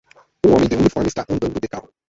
Um homem de uniforme está andando de carro.